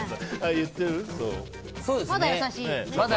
まだ優しいよね。